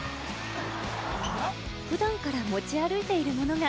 普段から持ち歩いているものが。